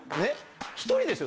１人ですよ